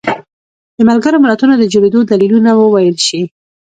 د ملګرو ملتونو د جوړېدو دلیلونه وویلی شي.